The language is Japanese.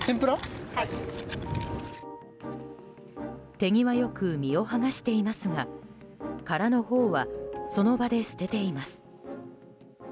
手際よく身を剥がしていますが殻のほうはその場で捨てています。